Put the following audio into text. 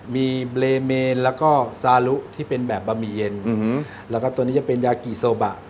มีเบลเมนแล้วก็ซาลุที่เป็นแบบบะหมี่เย็นแล้วก็ตัวนี้จะเป็นยากิโซบะ